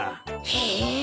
へえ。